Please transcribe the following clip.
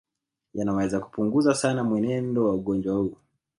Yanaweza kupunguza sana mwenendo wa ugonjwa huu